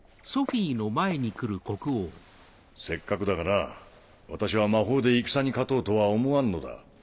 せっかくだがな私は魔法で戦に勝とうとは思わんのだ。